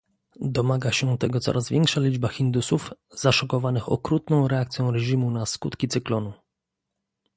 Domaga się tego coraz większa liczba Hindusów, zaszokowanych okrutną reakcją reżimu na skutki cyklonu